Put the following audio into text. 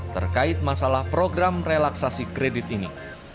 terkait masalah program relaksasi kredit ini